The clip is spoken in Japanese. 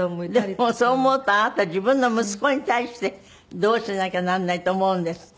でもそう思うとあなた自分の息子に対してどうしなきゃならないって思うんですって？